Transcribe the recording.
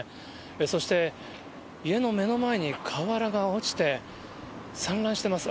そして、家の目の前に瓦が落ちて散乱してます。